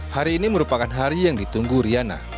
hari ini merupakan hari yang ditunggu riana